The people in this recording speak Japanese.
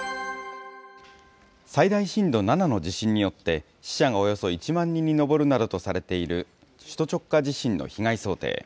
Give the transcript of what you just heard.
最大震度７の地震によって、死者がおよそ１万人に上るなどとされている首都直下地震の被害想定。